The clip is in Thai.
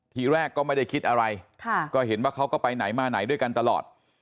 ทีแรกก็ไม่ได้คิดอะไรก็เห็นว่าเขาก็ไปไหนมาไหนด้วยกันตลอด